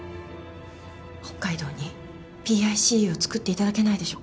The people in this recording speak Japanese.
北海道にＰＩＣＵを作っていただけないでしょうか。